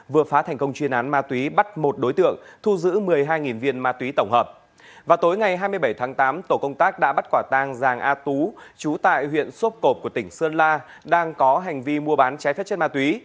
vào tối ngày hai mươi bảy tháng tám tổ công tác đã bắt quả tang giàng a tú chú tại huyện sốp cộp của tỉnh sơn la đang có hành vi mua bán trái phép chất ma túy